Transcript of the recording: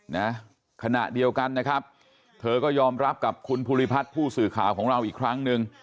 นะขณะเดียวกันนะครับเธอก็ยอมรับกับคุณภูริพัฒน์ผู้สื่อข่าวของเราอีกครั้งหนึ่ง